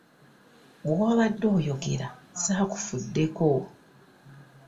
Bwe wabadde oyogera ssaakufuddeko.